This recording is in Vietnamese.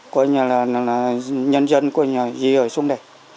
coi như là nhân dân coi như là gì ở xuống đây